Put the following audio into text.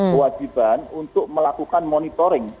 kewajiban untuk melakukan monitoring